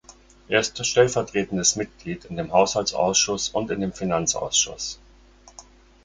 Er ist Stellvertretendes Mitglied in dem Haushaltsausschuss und in dem Finanzausschuss.